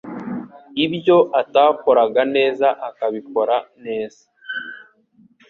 ibyo atakoraga neza akabikora neza